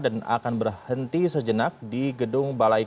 dan akan berhenti sejenak di gedung balai